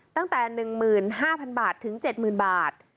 ตั้งแต่๑๕๐๐๐บาทถึง๗๐๐บาท